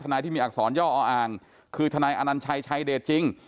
นายที่มีอักษรย่ออ่างคือทนายอนัญชัยชายเดชจริง